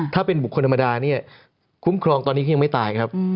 ถ้าเป็นบุคคลธรรมดาเนี่ยคุ้มครองตอนนี้ก็ยังไม่ตายครับ